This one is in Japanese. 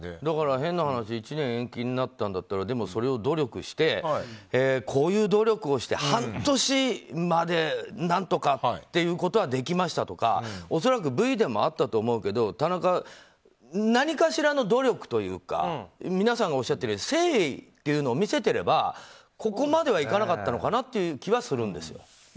変な話１年延期になったんだったらそれを努力してこういう努力をして半年まで何とかっていうことはできましたとか恐らくＶでもあったと思うけど田中、何かしらの努力というか皆さんがおっしゃってるように誠意というものを見せていればここまではいかなかったのかなという気はするんですよ。